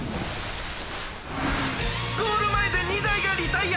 「ゴールまえで２だいがリタイア！